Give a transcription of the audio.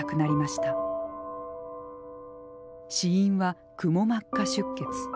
死因はくも膜下出血。